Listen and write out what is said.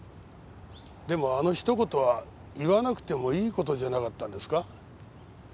でもあの一言は言わなくてもいい事じゃなかったんですか？